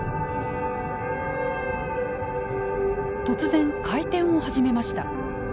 突然回転を始めました。